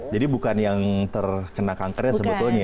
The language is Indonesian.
jadi bukan yang terkena kankernya sebetulnya ya